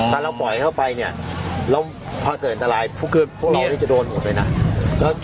ถ้าเราปล่อยเข้าไปเนี่ยแล้วพอเกิดอันตรายพวกนี้จะโดนหมดเลยนะ